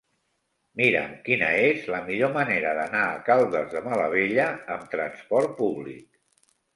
Mira'm quina és la millor manera d'anar a Caldes de Malavella amb trasport públic.